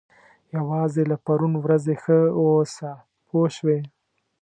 یوازې له پرون ورځې ښه واوسه پوه شوې!.